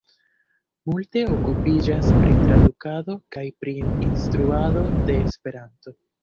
Multe okupiĝas pri tradukado kaj pri instruado de Esperanto.